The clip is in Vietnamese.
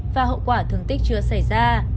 và hậu quả thương tích chưa xảy ra